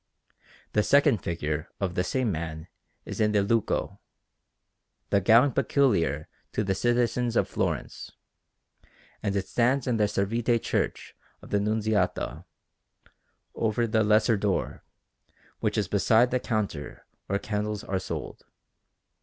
The second figure of the same man is in the lucco, the gown peculiar to the citizens of Florence; and it stands in the Servite Church of the Nunziata, over the lesser door, which is beside the counter where candles are sold.